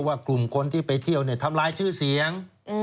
กลุ่มคนที่ไปเที่ยวทำลายชื่อเสียง